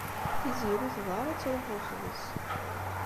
Tiziri ur tebɣi ara ad tṛuḥ weḥd-s.